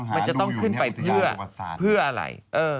มันจะต้องขึ้นไปเพื่ออะไร